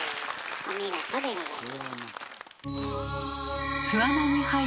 お見事でございました。